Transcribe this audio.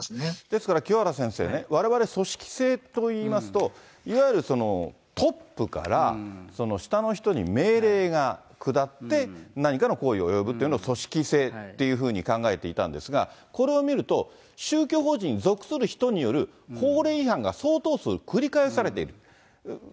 ですから、清原先生ね、われわれ、組織性といいますと、いわゆるトップから下の人に命令が下って、何かの行為に及ぶというのを組織性っていうふうに考えていたんですが、これを見ると、宗教法人に属する人による法令違反が相当数繰り返されている。